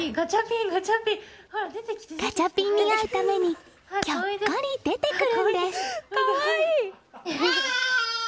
ガチャピンに会うためにひょっこり出てくるんです。